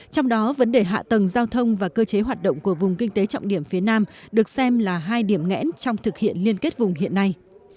trong đó vấn đề hạ tầng giao thông và cơ chế hoạt động của vùng kinh tế trọng điểm phía nam được xem là hai điểm ngẽn trong thực hiện liên kết vùng hiện nay